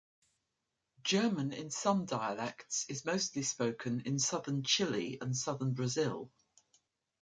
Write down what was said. German in some dialects is mostly spoken in Southern Chile and Southern Brazil.